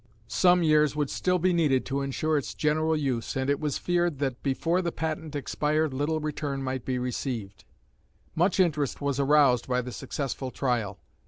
Some years would still be needed to ensure its general use, and it was feared that before the patent expired little return might be received. Much interest was aroused by the successful trial.